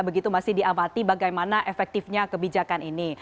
begitu masih diamati bagaimana efektifnya kebijakan ini